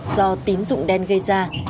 do tín dụng đen gây ra